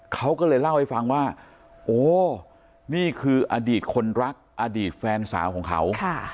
เขาก็เลยเล่าให้ฟังว่าโอ้นี่คืออดีตคนรักอดีตแฟนสาวของเขา